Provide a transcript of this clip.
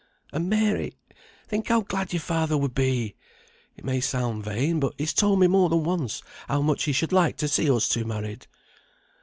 And, Mary! think how glad your father would be! it may sound vain, but he's told me more than once how much he should like to see us two married!"